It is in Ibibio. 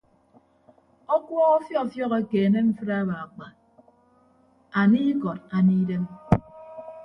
Ọkuọọk ọfiọfiọk ekeene mfịd akpaakpa anie ikọd anie idem.